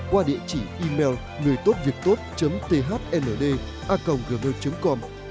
qua địa chỉ email ngườitốtviệctốt thndaconggmail com